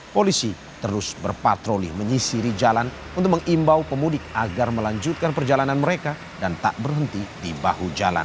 polisi terus berpatroli menyisiri jalan untuk mengimbau pemudik agar melanjutkan perjalanan mereka dan tak berhenti di bahu jalan